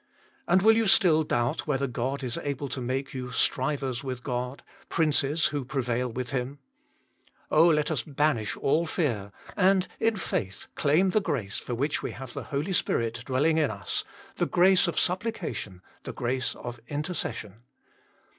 And will you still doubt whether God is able to make you " strivers with God," princes who prevail with Him ? Oh, let us banish all fear, and in faith claim the grace for which we have the Holy Spirit dwelling in us, the grace of supplication, the grace of inter cession.